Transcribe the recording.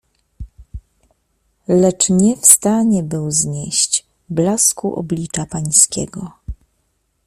Lecz nie w stanie był znieść blasku Oblicza Pańskiego.